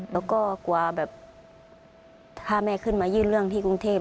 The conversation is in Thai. แล้วก็กลัวแบบถ้าแม่ขึ้นมายื่นเรื่องที่กรุงเทพ